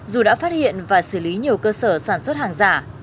dù đã phát hiện và xử lý nhiều cơ sở sản xuất hàng giả